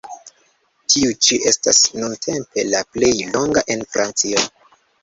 Tiu ĉi estas nuntempe la plej longa en Francio.